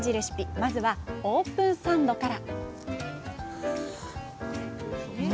まずはオープンサンドから！